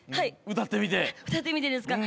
歌ってみてですか？